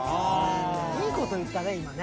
いいこと言ったね今ね。